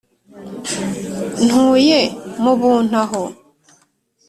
ntuye mubuntu aho